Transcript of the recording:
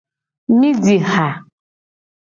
Mi ji ha.